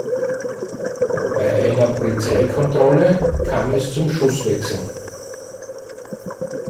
Bei einer Polizeikontrolle kam es zum Schusswechsel.